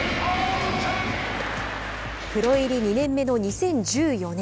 プロ入り２年目の２０１４年。